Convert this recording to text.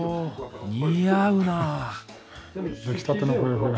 似合うなあ。